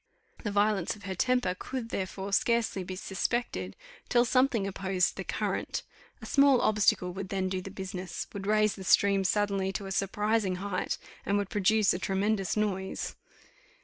The violence of her temper could, therefore, scarcely be suspected, till something opposed the current: a small obstacle would then do the business would raise the stream suddenly to a surprising height, and would produce a tremendous noise.